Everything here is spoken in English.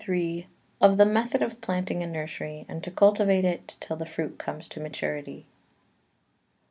Of the Method of Planting a Nursery, and to cultivate it till the Fruit comes to Maturity.